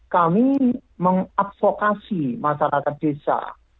kami mengadvokasi masyarakat desa